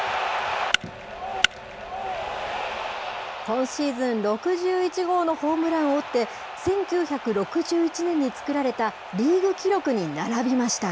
今シーズン６１号のホームランを打って、１９６１年に作られたリーグ記録に並びました。